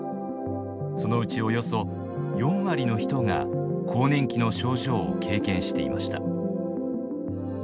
そのうちおよそ４割の人が更年期の症状を経験していました。